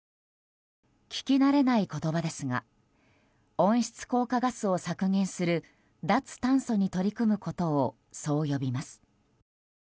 聞き慣れない言葉ですが温室効果ガスを削減する脱炭素に取り組むことをそう呼びます。